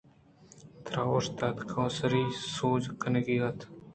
ترا اوشتگ ءُسرءُ سوج کنگی اِنت